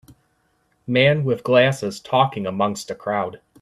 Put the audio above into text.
Man with glasses talking amongst a crowd.